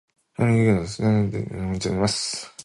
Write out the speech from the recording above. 共に右組ですが、左の袖釣などをともに見せています。